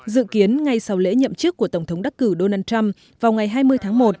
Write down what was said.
dự kiến ngay sau lễ nhậm chức của tổng thống đắc cử donald trump vào ngày hai mươi tháng một